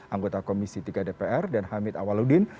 anggota komisi tiga dpr dan hamid awaludin